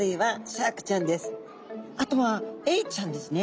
あとはエイちゃんですね。